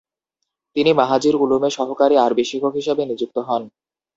তিনি মাজাহির উলুমে সহকারী আরবি শিক্ষক হিসাবে নিযুক্ত হন।